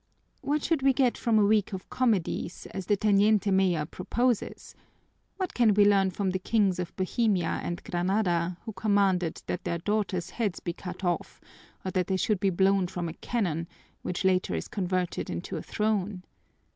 "What should we get from a week of comedies, as the teniente mayor proposes? What can we learn from the kings of Bohemia and Granada, who commanded that their daughters' heads be cut off, or that they should be blown from a cannon, which later is converted into a throne?